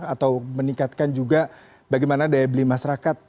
atau meningkatkan juga bagaimana daya beli masyarakat